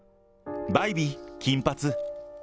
バイビー金髪。